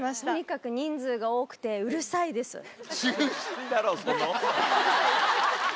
とにかく人数が多くてうるさいです。